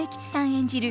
演じる